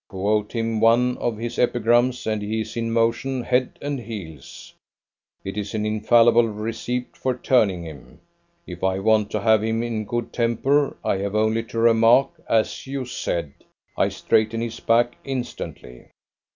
Quote him one of his epigrams, and he is in motion head and heels! It is an infallible receipt for tuning him. If I want to have him in good temper, I have only to remark, 'as you said'. I straighten his back instantly."